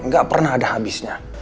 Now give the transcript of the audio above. gak pernah ada habisnya